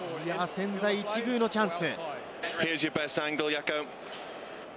千載一遇のチャンス。